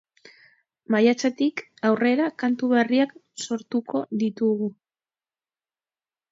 Maiatzetik aurrera, kantu berriak sortuko ditugu.